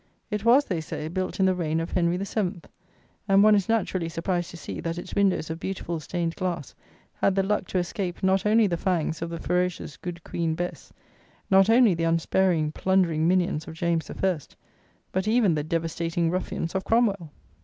It was, they say, built in the reign of Henry VII.; and one is naturally surprised to see, that its windows of beautiful stained glass had the luck to escape, not only the fangs of the ferocious "good Queen Bess;" not only the unsparing plundering minions of James I.; but even the devastating ruffians of Cromwell.